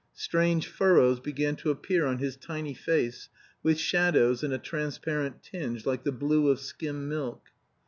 Strange furrows began to appear on his tiny face, with shadows and a transparent tinge like the blue of skim milk.